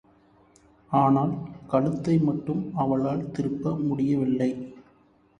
ஆனால், கழுத்தை மட்டும் அவளால் திருப்ப முடியவில்லை.